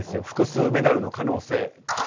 複数メダルの可能性。